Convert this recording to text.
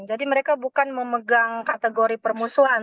jadi mereka bukan memegang kategori permusuhan